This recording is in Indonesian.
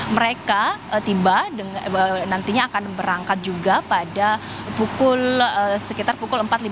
mereka tiba nantinya akan berangkat juga pada sekitar pukul empat lima puluh